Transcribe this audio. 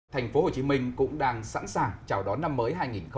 thành phố hồ chí minh cũng đang sẵn sàng chào đón năm mới hai nghìn hai mươi